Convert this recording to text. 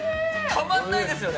たまらないですよね。